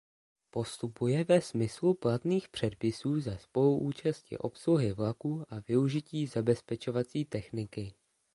Postupuje ve smyslu platných předpisů za spoluúčasti obsluhy vlaku a využití zabezpečovací techniky.